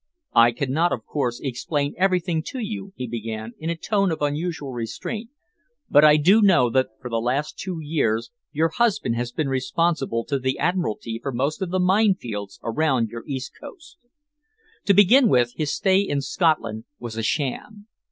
"I can not, of course, explain everything to you," he began, in a tone of unusual restraint, "but I do know that for the last two years your husband has been responsible to the Admiralty for most of the mine fields around your east coast. To begin with, his stay in Scotland was a sham.